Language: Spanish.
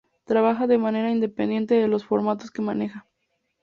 Trabaja de manera independiente de los formatos que maneja.